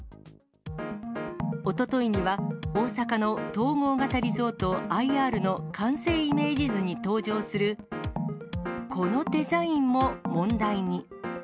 おとといには、大阪の統合型リゾート・ＩＲの完成イメージ図に登場する、このデザインも問題に。